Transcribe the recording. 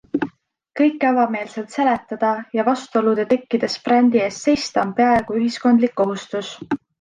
Kõike avameelselt seletada ja vastuolude tekkides brändi eest seista on peaaegu ühiskondlik kohustus.